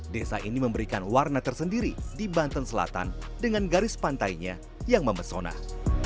desa ini memberikan warna tersendiri di banten selatan dengan garis pantainya yang memesona